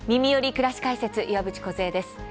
くらし解説」岩渕梢です。